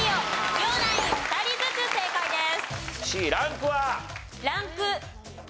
両ナイン２人ずつ正解です。